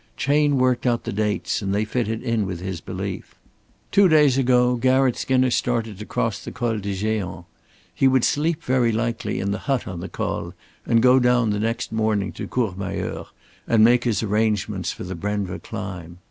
Chayne worked out the dates and they fitted in with his belief. Two days ago Garratt Skinner started to cross the Col du Géant. He would sleep very likely in the hut on the Col, and go down the next morning to Courmayeur and make his arrangements for the Brenva climb.